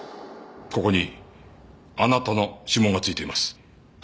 ここにあなたの指紋が付いています。